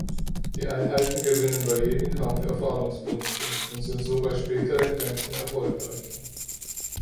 Die Einheiten gewinnen bei jedem Kampf Erfahrungspunkte und sind so bei späteren Kämpfen erfolgreicher.